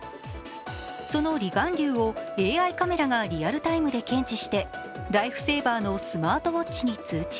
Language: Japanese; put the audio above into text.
その離岸流をＡＩカメラがリアルタイムで検知してライフセーバーのスマートウォッチに通知。